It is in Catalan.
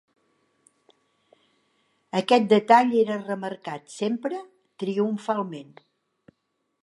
Aquest detall era remarcat sempre, triomfalment